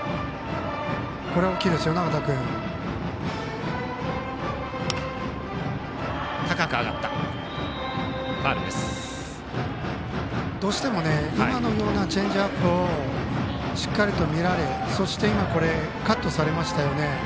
これは大きいです、永田君。どうしても今のようなチェンジアップをしっかりと見られそして今、カットされましたね。